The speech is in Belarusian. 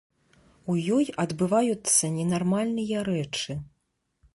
У ёй адбываюцца ненармальныя рэчы.